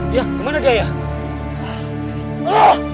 iya kemana dia ya